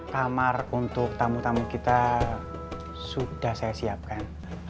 kamar untuk tamu tamu kita sudah saya siapkan